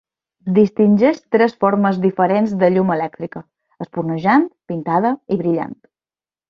Distingeix tres formes diferents de llum elèctrica: espurnejant, pintada i brillant.